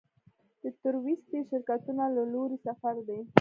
د تورېستي شرکتونو له لوري سفر دی.